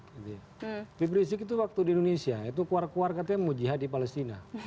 habib rizik itu waktu di indonesia itu keluar keluar katanya mau jihad di palestina